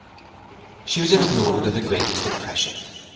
She was in a mood of the greatest depression.